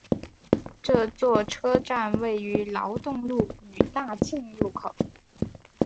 这座车站位于劳动路与大庆路口。